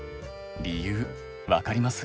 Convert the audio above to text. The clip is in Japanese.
理由分かります？